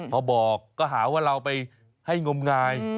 พอบอกก็หาว่าเราไปให้งมงาย